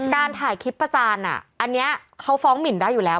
การถ่ายคลิปประจานอันนี้เขาฟ้องหมินได้อยู่แล้ว